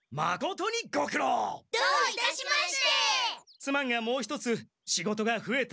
すまんがもう一つ仕事がふえた。